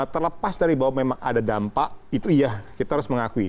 terlepas dari bahwa memang ada dampak itu iya kita harus mengakui